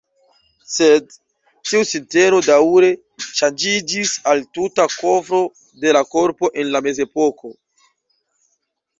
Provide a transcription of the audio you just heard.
Sed tiu sinteno daŭre ŝanĝiĝis al tuta kovro de la korpo en la mezepoko.